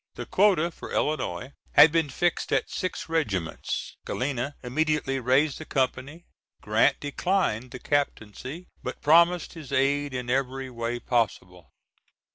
The quota for Illinois had been fixed at six regiments. Galena immediately raised a company. Grant declined the captaincy but promised his aid in every way possible.